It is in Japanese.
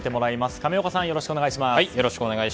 亀岡さん、よろしくお願いします。